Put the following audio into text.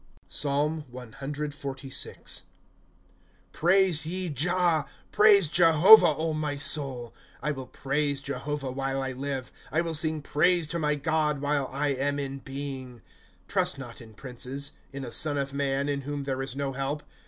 PSALM CXLYI. ' Praise ye Jah. Praise Jehovah, my soul. * I will praise Jehovah while I live ; I will sing praise to my God while I am in being. ^ Trust not in princes, In a son of man, in whom there is no help.